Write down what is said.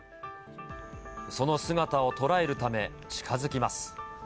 その姿を捉えるため、近づきます。